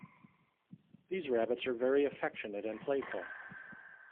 These rabbits are very affectionate and playful.